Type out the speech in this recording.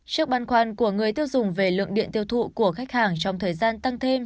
trước băn khoăn của người tiêu dùng về lượng điện tiêu thụ của khách hàng trong thời gian tăng thêm